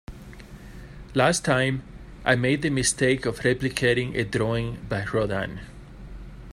Last time, I made the mistake of replicating a drawing by Rodin.